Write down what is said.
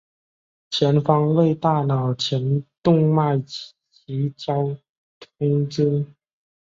前方为大脑前动脉及其交通支。